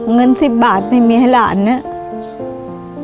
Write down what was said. เงิน๑๐บาทไม่มีให้น้ำหลาน